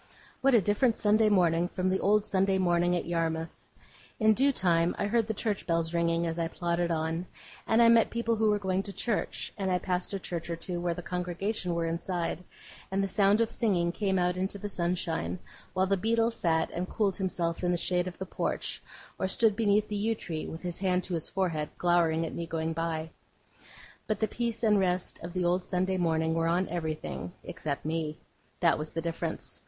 What a different Sunday morning from the old Sunday morning at Yarmouth! In due time I heard the church bells ringing, as I plodded on; and I met people who were going to church; and I passed a church or two where the congregation were inside, and the sound of singing came out into the sunshine, while the beadle sat and cooled himself in the shade of the porch, or stood beneath the yew tree, with his hand to his forehead, glowering at me going by. But the peace and rest of the old Sunday morning were on everything, except me. That was the difference.